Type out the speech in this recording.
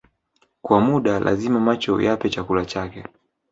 Kuna muda lazima macho uyape chakula chake